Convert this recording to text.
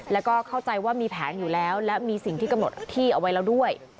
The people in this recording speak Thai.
แล้วก็เข้าใจว่ามีแผนอยู่แล้วและมีสิ่งที่กำหนดที่เอาไว้แล้วด้วย